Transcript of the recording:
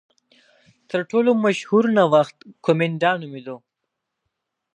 تر ټولو مشهور نوښت کومېنډا نومېده.